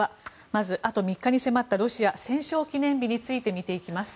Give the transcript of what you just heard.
まずあと３日に迫ったロシア戦勝記念日について見ていきます。